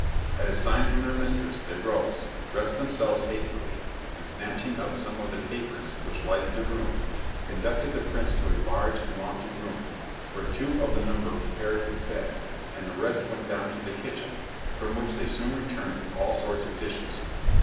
At a sign from their mistress they rose, dressed themselves hastily, and snatching up some of the tapers which lighted the room, conducted the prince to a large and lofty room, where two of the number prepared his bed, and the rest went down to the kitchen, from which they soon returned with all sorts of dishes.